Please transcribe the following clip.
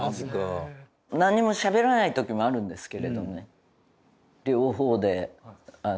何もしゃべらない時もあるんですけれどもね。